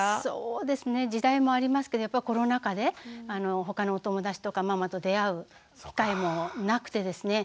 そうですね時代もありますけどやっぱりコロナ禍でほかのお友達とかママと出会う機会もなくてですね